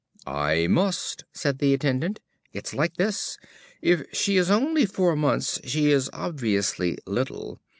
"I must," said the attendant. "It's like this. If she is only four months, she is obviously little.